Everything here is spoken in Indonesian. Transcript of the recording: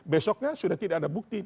besoknya sudah tidak ada bukti